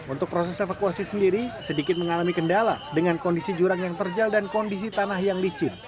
untuk proses evakuasi sendiri sedikit mengalami kendala dengan kondisi jurang yang terjal dan kondisi tanah yang licin